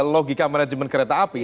logika manajemen kereta api